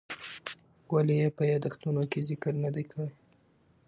ولې یې په یادښتونو کې ذکر نه دی کړی؟